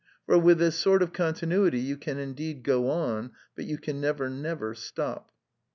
For with this sort of continuity you can indeed go on; but you can '^"never, never stop.